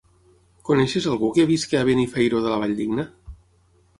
Coneixes algú que visqui a Benifairó de la Valldigna?